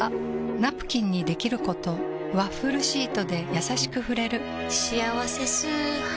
ナプキンにできることワッフルシートでやさしく触れる「しあわせ素肌」